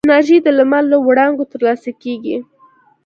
انرژي د لمر له وړانګو ترلاسه کېږي.